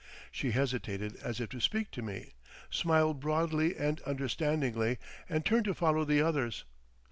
She hesitated as if to speak to me, smiled broadly and understandingly and turned to follow the others.